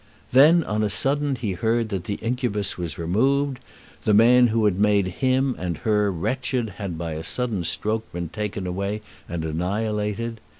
Then on a sudden he heard that the incubus was removed. The man who had made him and her wretched had by a sudden stroke been taken away and annihilated.